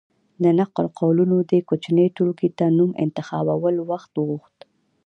د نقل قولونو دې کوچنۍ ټولګې ته نوم انتخابول وخت وغوښت.